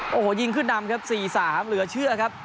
โอ้โหยิงขึ้นนำครับ๔๓เหลือเชื่อครับ